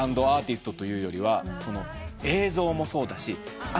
アーティストというよりは映像もそうだし